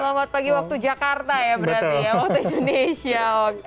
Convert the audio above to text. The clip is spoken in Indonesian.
selamat pagi waktu jakarta ya berarti ya waktu indonesia